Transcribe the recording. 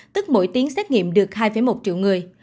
tức mỗi tiếng xét nghiệm được hai một triệu người